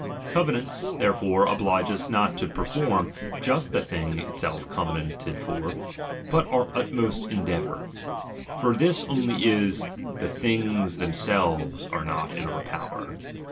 Covenants, therefore, oblige us not to perform just the thing itself covenanted for, bat our utmost endeavour ; for this only is, the things themselves are not in our power.